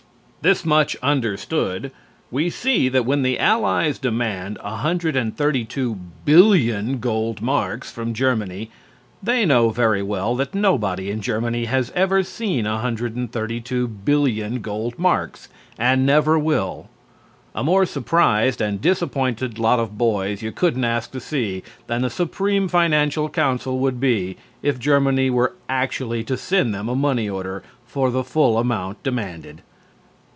This much understood, we see that when the Allies demand 132,000,000,000 gold marks from Germany they know very well that nobody in Germany has ever seen 132,000,000,000 gold marks and never will. A more surprised and disappointed lot of boys you couldn't ask to see than the Supreme Financial Council would be if Germany were actually to send them a money order for the full amount demanded.